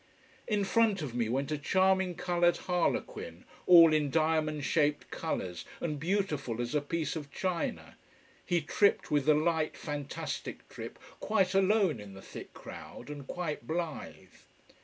In front of me went a charming coloured harlequin, all in diamond shaped colours, and beautiful as a piece of china. He tripped with the light, fantastic trip, quite alone in the thick crowd, and quite blithe.